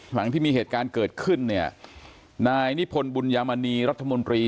หลังที่มีเหตุการณ์เกิดขึ้นเนี่ยนายนิพนธ์บุญยามณีรัฐมนตรี